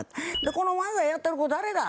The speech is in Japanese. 「この前をやってる子誰だ？